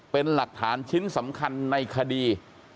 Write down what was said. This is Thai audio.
เป็นหลักฐานชิ้นสำคัญในคดี